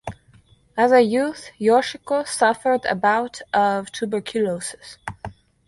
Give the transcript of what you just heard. As a youth Yoshiko suffered a bout of tuberculosis.